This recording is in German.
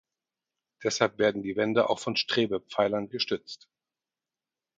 Deshalb werden die Wände auch von Strebepfeilern gestützt.